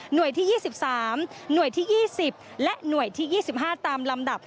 โดยที่๒๓หน่วยที่๒๐และหน่วยที่๒๕ตามลำดับ